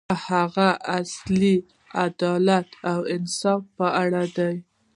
د هغه اصول د عدالت او انصاف په اړه دي.